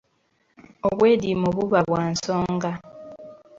Obwediimo buba bwa nsonga.